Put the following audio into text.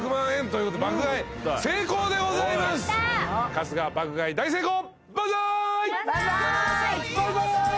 春日爆買い大成功！